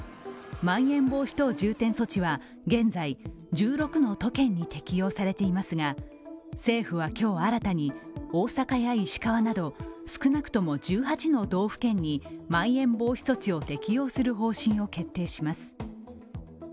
まん延防止等重点措置は現在１６の都県に適用されていますが、政府は今日新たに大阪や石川など少なくとも１８の道府県にまん延防止措置を適用する方針を決定します。